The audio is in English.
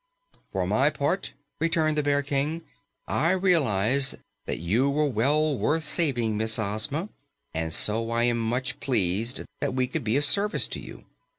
"For my part," returned the Bear King, "I realize that you were well worth saving, Miss Ozma, and so I am much pleased that we could be of service to you.